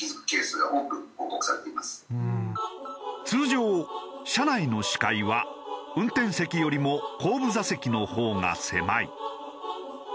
通常車内の視界は運転席よりも後部座席のほうが狭い。